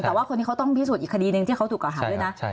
แต่ว่าคนนี้เขาต้องพิสูจนอีกคดีหนึ่งที่เขาถูกกล่าหาด้วยนะ